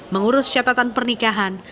mengurus catatan pernikahan